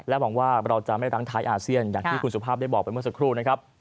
หวังว่าเราจะไม่รั้งท้ายอาเซียนอย่างที่คุณสุภาพได้บอกไปเมื่อสักครู่นะครับ